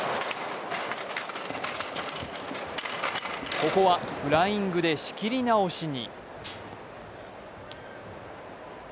ここはフライングで仕切り直しに。